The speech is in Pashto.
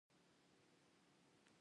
په اداره کې باید همغږي شتون ولري.